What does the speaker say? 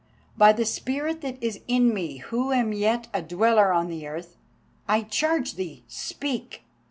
By the spirit that is in me, who am yet a dweller on the earth, I charge thee speak.